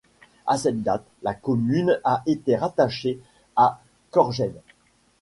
À cette date, la commune a été rattachée à Kortgene.